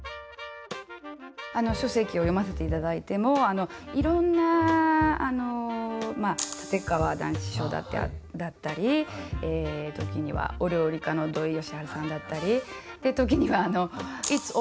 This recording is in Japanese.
書籍を読ませていただいてもいろんな立川談志師匠だったり時にはお料理家の土井善晴さんだったり時には「Ｉｔ’ｓａｕｔｏｍａｔｉｃ」